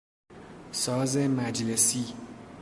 ساز مجلسی